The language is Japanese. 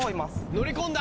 乗り込んだ。